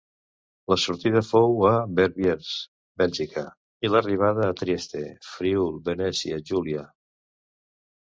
La sortida fou a Verviers, Bèlgica, i l'arribada a Trieste, Friül-Venècia Júlia.